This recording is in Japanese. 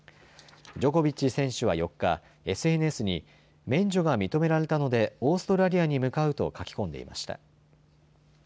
ジョコビッチ選手は４日、ＳＮＳに免除が認められたのでオーストラリアに向かうと書き込んでいました。